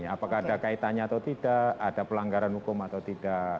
apakah ada kaitannya atau tidak ada pelanggaran hukum atau tidak